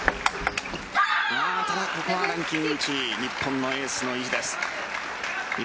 ただ、ここはランキング１位日本のエースの意地です。